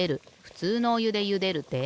ふつうのおゆでゆでるで。